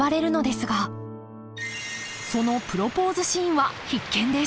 そのプロポーズシーンは必見です！